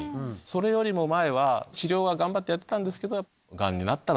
それよりも前は治療は頑張ってやってたんですけど。